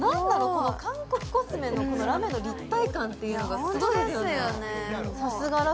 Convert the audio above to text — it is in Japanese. この韓国コスメのこのラメの立体感っていうのがすごいですよね